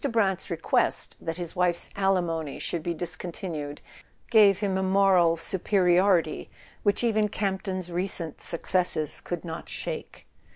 Brant's request that his wife's alimony should be discontinued gave him a moral superiority which even Campton's recent successes could not shake.